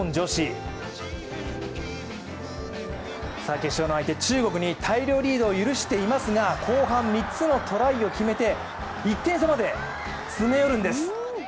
決勝の相手・中国に大量リードを許していますが、後半３つのトライを決めて１点差まで詰め寄るんです。